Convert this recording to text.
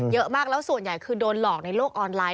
เยอะมากแล้วส่วนใหญ่คือโดนหลอกในโลกออนไลน